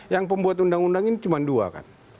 yang pembuat undang undang ini cuma dua kan